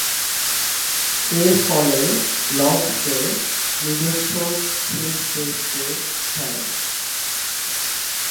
এরফলে লর্ডসে নিজস্ব শেষ টেস্টে খেলেন।